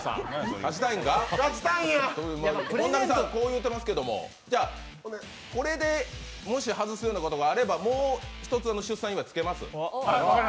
本並さん、こう言うてますけどこれでもし外すようなことがあればもう１つ、出産祝いつけます。